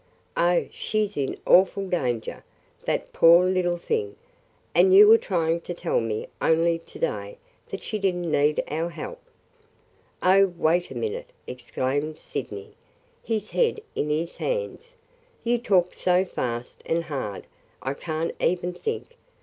Oh, she 's in awful danger – that poor little thing! And you were trying to tell me only to day that she did n't need our help!" "Oh, wait a minute!" exclaimed Sydney, his head in his hands. "You talk so fast and hard I can't even think!